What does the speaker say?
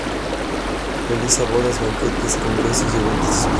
Realiza bodas, banquetes, congresos y eventos especiales.